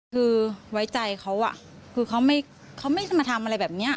คือไว้ใจเขาคือเขาไม่มาทำอะไรแบบนี้